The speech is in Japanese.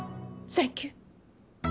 サンキュー！